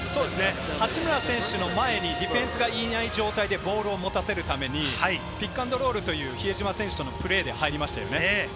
八村選手の前にディフェンスがいない状態でボールを持たせるためにピックアンドロールという比江島選手とのプレーで入りましたよね。